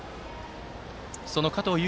その加藤悠